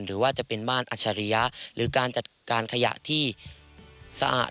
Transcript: หรือว่าจะเป็นม่านอัชริยะหรือการจัดการขยะที่สะอาด